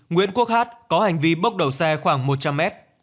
nguyễn quốc hát có hành vi bốc đầu xe khoảng một trăm linh mét